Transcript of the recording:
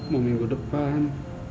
mau minggu depan